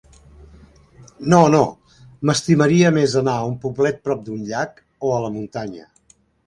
No, no, m'estimaria més anar a un poblet prop d'un llac, o a la muntanya.